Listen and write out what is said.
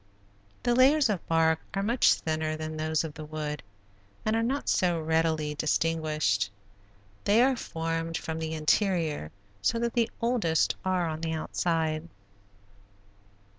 The layers of bark are much thinner than those of the wood and are not so readily distinguished. They are formed from the interior so that the oldest are on the outside.